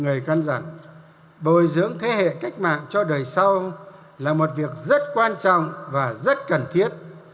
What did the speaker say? người căn dặn bồi dưỡng thế hệ cách mạng cho đời sau là một việc rất quan trọng và rất cần thiết